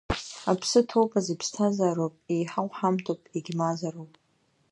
Аԥсы ҭоуп азы иԥсҭазаароуп, еиҳау ҳамҭоуп, иагьмазароуп.